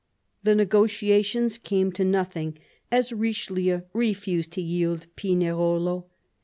The negotiations came to nothing, as Richelieu refused to yield Pinerolo.